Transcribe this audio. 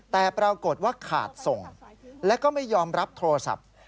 แต่ปรากฏว่าขาดส่งแล้วก็ไม่ยอมรับโทรศัพท์